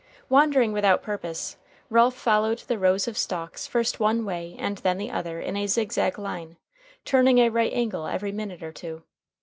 Wandering without purpose, Ralph followed the rows of stalks first one way and then the other in a zigzag line, turning a right angle every minute or two.